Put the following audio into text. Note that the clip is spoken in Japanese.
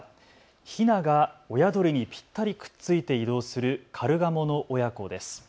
ひなが親鳥にぴったりくっついて移動するカルガモの親子です。